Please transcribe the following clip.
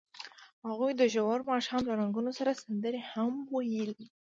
هغوی د ژور ماښام له رنګونو سره سندرې هم ویلې.